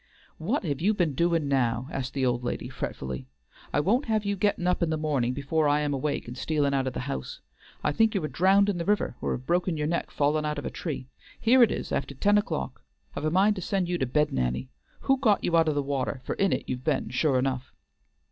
"What have you been doin' now?" asked the old lady fretfully. "I won't have you gettin' up in the mornin' before I am awake and stealin' out of the house. I think you are drowned in the river or have broken your neck fallin' out of a tree. Here it is after ten o'clock. I've a mind to send you to bed, Nanny; who got you out of the water, for in it you've been sure enough?"